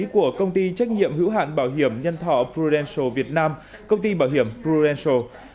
của công ty trách nhiệm hữu hạn bảo hiểm nhân thọ prudential việt nam công ty bảo hiểm prudential